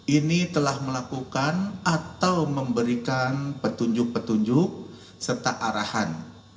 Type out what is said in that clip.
ini telah melakukan atau memberikan petunjuk petunjuk serta arahan